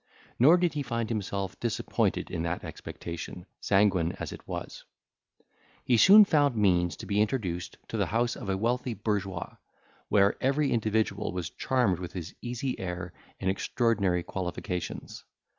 Nor did he find himself disappointed in that expectation, sanguine as it was. He soon found means to be introduced to the house of a wealthy bourgeois, where every individual was charmed with his easy air and extraordinary qualifications.